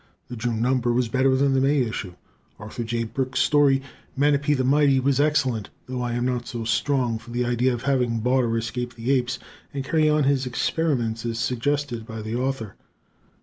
The June number was better than the May issue. Arthur J. Burks' story, "Manape the Mighty," was excellent, though I am not so strong for the idea of having Barter escape the apes and carry on his experiments as suggested by the Author.